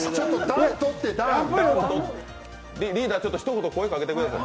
リーダー、ひと言、声かけてください。